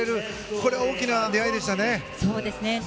これは大きな出会いでしたね。